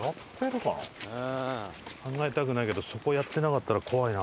考えたくないけどそこやってなかったら怖いな。